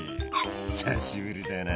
久しぶりだな。